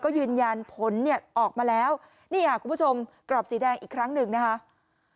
ก็ยืนยันผลเนี่ยออกมาแล้วนี่ค่ะคุณผู้ชมกรอบสีแดงอีกครั้งหนึ่งนะคะ